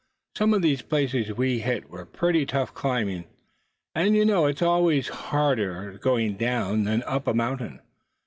"Some of those places we hit were pretty tough climbing; and you know it's always harder going down, than up a mountain.